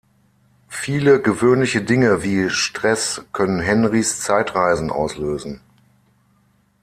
Viele gewöhnliche Dinge wie Stress können Henrys Zeitreisen auslösen.